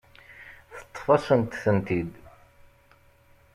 Teṭṭef-asent-tent-id.